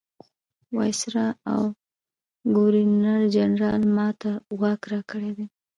وایسرا او ګورنرجنرال ما ته واک راکړی دی.